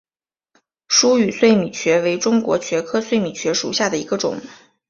疏羽碎米蕨为中国蕨科碎米蕨属下的一个种。